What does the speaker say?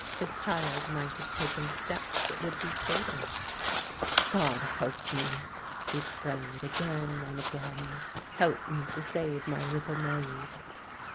His child might have taken steps that would be fatal. " Grod help me !" he prayed again and again, *' help me to save my little maid."